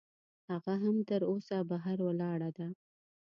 هغه هم تراوسه بهر ولاړه ده.